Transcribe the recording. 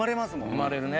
生まれるね。